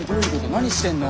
何してんの？